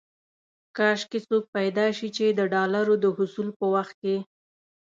کاش کې څوک پيدا شي چې د ډالرو د حصول په وخت کې.